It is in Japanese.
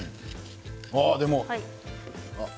ああ、でも。